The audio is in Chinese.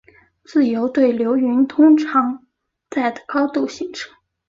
自由对流云通常在的高度形成。